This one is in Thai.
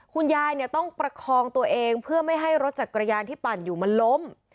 คุณยายเนี่ยต้องประคองตัวเองเพื่อไม่ให้รถจักรยานที่ปั่นอยู่มันล้ม